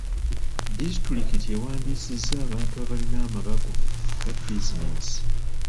Disitulikiti ewandiisizza abantu abalina amabago ga bizinensi.